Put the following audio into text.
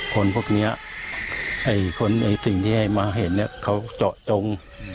คนพวกนี้สิ่งที่ให้มาเห็นเนี่ยเขาเจาะจง